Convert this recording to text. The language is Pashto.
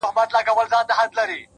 خاموش کار تر لوړ غږ قوي وي,